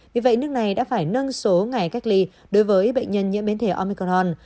vì vậy nước này đã phải nâng số ngày cách ly đối với bệnh nhân nhiễm biến thể omicron